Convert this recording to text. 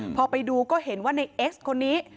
พอไปดูก็เห็นว่าในเอ็กซ์คนนี้